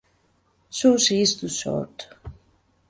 Susi is too short.